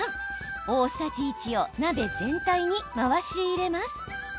大さじ１を鍋全体に回し入れます。